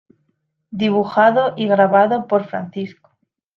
Dibujado y Grabado por Fco.